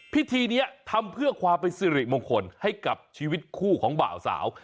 พิธีนี้ทำเพื่อความเป็นสิริมงคลให้กับชีวิตคู่ของบ่าวสาว